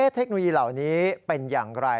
เทคโนโลยีเหล่านี้เป็นอย่างไร